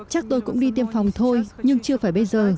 chắc tôi cũng đi tiêm phòng thôi nhưng chưa phải bây giờ